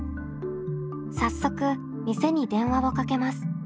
早速店に電話をかけます。